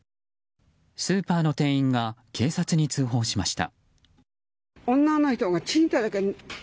スーパーの店員が警察に通報しました。